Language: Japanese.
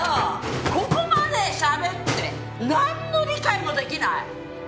ここまでしゃべってなんの理解もできない！